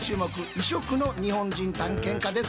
異色の日本人探検家です。